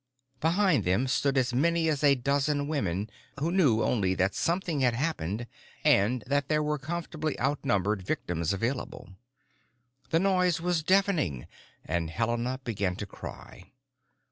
Behind them stood as many as a dozen women who knew only that something had happened and that there were comfortably outnumbered victims available. The noise was deafening, and Helena began to cry.